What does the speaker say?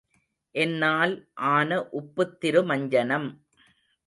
என்னால் ஆன உப்புத் திருமஞ்சனம்.